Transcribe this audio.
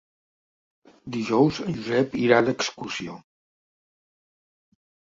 Dijous en Josep irà d'excursió.